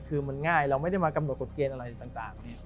คือมันง่ายเราไม่ได้มากำหนดกฎเกณฑ์อะไรต่าง